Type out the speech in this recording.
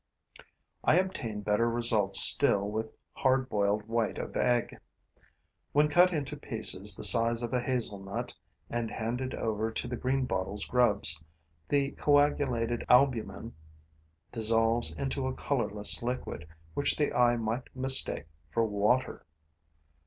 I obtain better results still with hard boiled white of egg. When cut into pieces the size of a hazel nut and handed over to the greenbottle's grubs, the coagulated albumen dissolves into a colorless liquid which the eye might mistake for water.